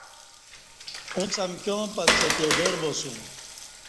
اُݩڅ امکیاں پکڅہ تی ڈر باسوم